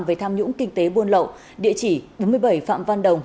về tham nhũng kinh tế buôn lậu địa chỉ bốn mươi bảy phạm văn đồng